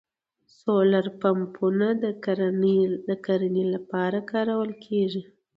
سولر پمپونه د کرنې لپاره کارول کیږي